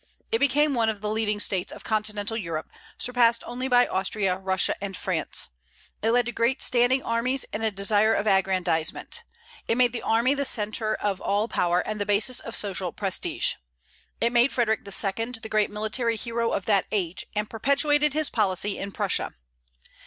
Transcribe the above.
It became one of the leading states of Continental Europe, surpassed only by Austria, Russia, and France. It led to great standing armies and a desire of aggrandizement. It made the army the centre of all power and the basis of social prestige. It made Frederic II. the great military hero of that age, and perpetuated his policy in Prussia.